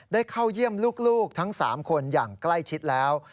ได้เข้าเยี่ยมลูกทั้ง๓คนอย่างใกล้ชิดแล้ว